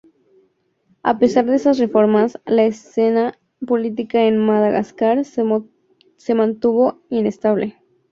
A pesar de estas reformas, la escena política en Madagascar se mantuvo inestable.